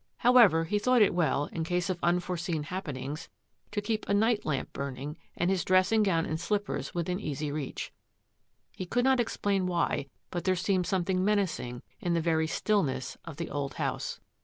However, he thought it well, in case of unforeseen happenings, to keep a night lamp burning and his dressing gown and slippers within easy reach. He could not explain why but there seemed something menacing in the very stillness of the old house.